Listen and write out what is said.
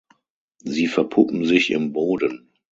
Sie verpuppen sich im Boden.